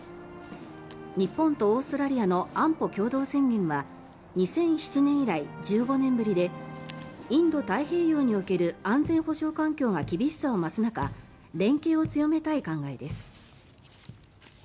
日本とオーストラリアの安保共同宣言は２００７年以来１５年ぶりでインド太平洋における安全保障環境が厳しさを増す中連携を強めたい考えです。